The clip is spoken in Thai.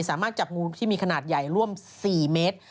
สามารถจับงูที่มีขนาดใหญ่ร่วม๔เมตร